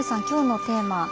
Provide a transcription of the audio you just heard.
今日のテーマ。